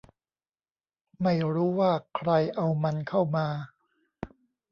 ไม่รู้ว่าใครเอามันเข้ามา